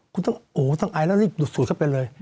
คุณต้องอายแล้วรีบหลุดสูดเข้าไปเลย